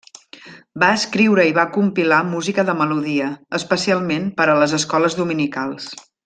Va escriure i va compilar música de melodia, especialment per a les escoles dominicals.